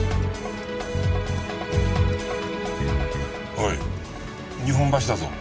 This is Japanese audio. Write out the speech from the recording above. おい日本橋だぞ。